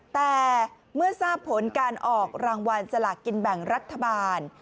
แต่เมื่อทราบผลการออกรางวัลสลากกินแบ่งรัฐบาล